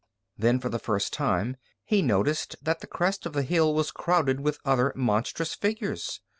Then, for the first time he noticed that the crest of the hill was crowded with other monstrous figures.